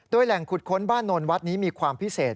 โดยแหล่งขุดค้นบ้านนนวัดนี้มีความพิเศษ